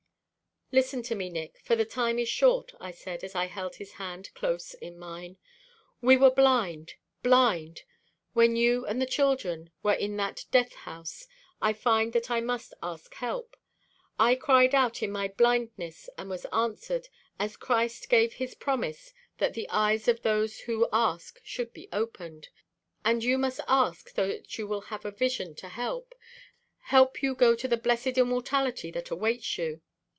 "Listen to me, Nick, for the time is short," I said, as I held his hand close in mine. "We were blind blind. When you and the children were in that death house I found that I must ask help. I cried out in my blindness and was answered, as Christ gave his promise that the eyes of those who ask should be opened. And you must ask so that you will have a vision to help help you go to the blessed immortality that awaits you.